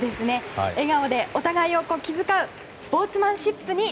笑顔でお互いを気遣うスポーツマンシップに。